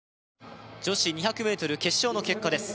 女子２００ｍ決勝の結果です